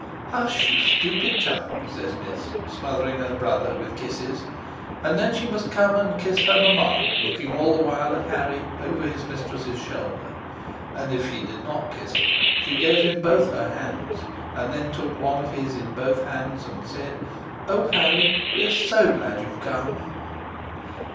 "Hush, you stupid child!" says Miss, smothering her brother with kisses; and then she must come and kiss her mamma, looking all the while at Harry, over his mistress's shoulder. And if she did not kiss him, she gave him both her hands, and then took one of his in both hands, and said, "Oh, Harry, we're so, SO glad you're come!"